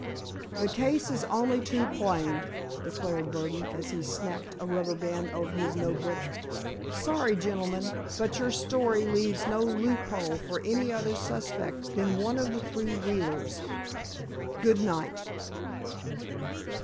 "The case is only too plain," declared Burdon, as he snapped a rubber band over his notebook. "Sorry, gentlemen, but your story leaves no loophole for any other suspect than one of the three Wheelers. Good night."